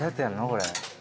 これ。